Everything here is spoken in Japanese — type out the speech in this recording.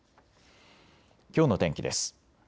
きょうの天気です。